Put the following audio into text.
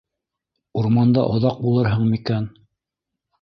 Урманда... оҙаҡ булырһың микән?